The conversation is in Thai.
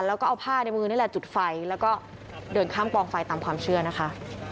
แล้วก็เอาผ้าในมือนี่แหละจุดไฟแล้วก็เดินข้ามกองไฟตามความเชื่อนะคะ